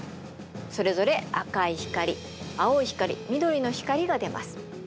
それぞれ赤い光青い光緑の光が出ます。